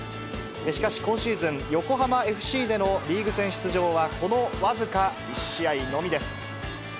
しかし、今シーズン、横浜ＦＣでのリーグ戦出場は、この僅か１試合のみです。